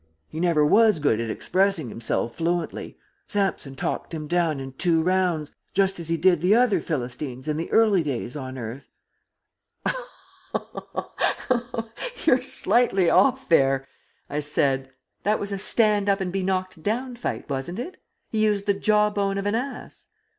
He never was good at expressing himself fluently. Samson talked him down in two rounds, just as he did the other Philistines in the early days on earth." I laughed. "You're slightly off there," I said. "That was a stand up and be knocked down fight, wasn't it? He used the jawbone of an ass?"